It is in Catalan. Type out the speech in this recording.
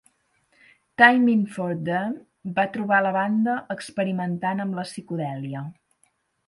Time In for Them, va trobar la banda experimentant amb la psicodèlia.